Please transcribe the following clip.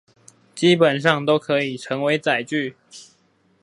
基本上都可以成為載具